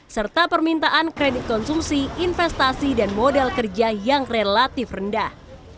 serta permintaan kredit konsumsi investasi dan modal kerja yang relatif rendah